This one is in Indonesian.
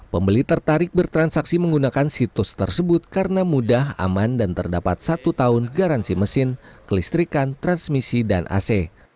pembeli tertarik bertransaksi menggunakan situs tersebut karena mudah aman dan terdapat satu tahun garansi mesin kelistrikan transmisi dan ac